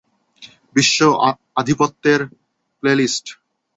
বিশ্ব আধিপত্যের প্লেলিস্ট।